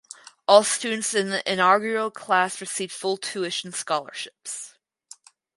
All students in the inaugural class received full tuition scholarships.